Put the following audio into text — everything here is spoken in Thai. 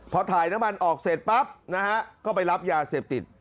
พอถ่ายน้ำมันออกเสร็จปั๊บนะฮะก็ไปรับยาเสพติด